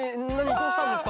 どうしたんですか？